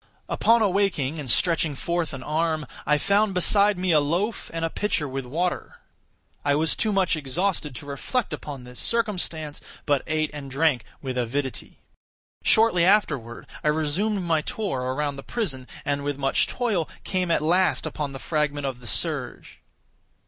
Upon awaking, and stretching forth an arm, I found beside me a loaf and a pitcher with water. I was too much exhausted to reflect upon this circumstance, but ate and drank with avidity. Shortly afterward, I resumed my tour around the prison, and with much toil came at last upon the fragment of the serge.